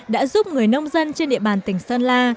đã giúp người nông dân trên địa bàn tỉnh sơn la